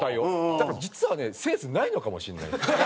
だから実はねセンスないのかもしれない。